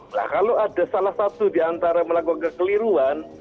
nah kalau ada salah satu diantara melakukan kekeliruan